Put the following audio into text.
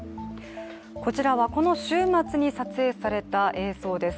こちらは、この週末に撮影された映像です。